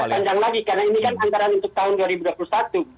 tapi ini kan panjang lagi karena ini kan antara untuk tahun dua ribu dua puluh satu